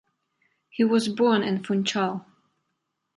He was born in Funchal.